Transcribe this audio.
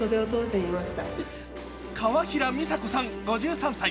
川平操子さん５３歳。